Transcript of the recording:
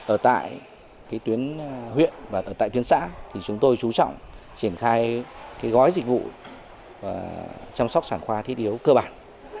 ở tại tuyến huyện và ở tại tuyến xã thì chúng tôi chú trọng triển khai gói dịch vụ chăm sóc sản khoa thiết yếu cơ bản